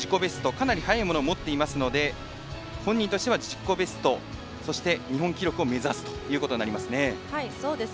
かなり早いものを持っていますので本人としては自己ベストそして、日本記録を目指すということになりますね。